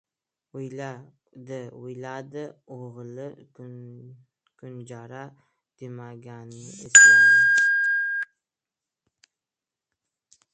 O‘yladi-o‘yladi, o‘g‘li kunjara demaganini esladi.